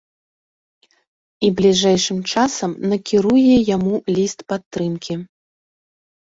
І бліжэйшым часам накіруе яму ліст падтрымкі.